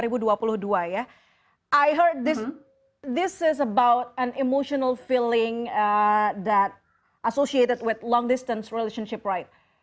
saya dengar ini adalah tentang perasaan emosional yang terkait dengan hubungan jauh jauh